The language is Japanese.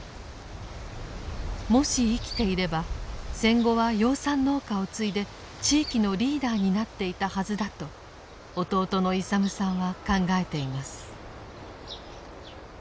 もし生きていれば戦後は養蚕農家を継いで地域のリーダーになっていたはずだと弟の勇さんは考えています。